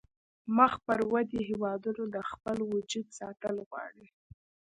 مخ پر ودې هیوادونه د خپل وجود ساتل غواړي